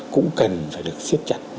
cũng cần phải được siết chặt lại